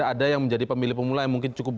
ada yang menjadi pemilih pemula yang mungkin cukup